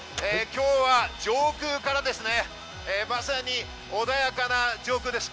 今日は上空から、まさに穏やかな上空です。